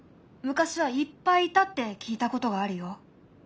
昔はいっぱいいたって聞いたことがあるよ。